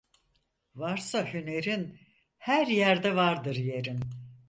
Varsa hünerin, her yerde vardır yerin.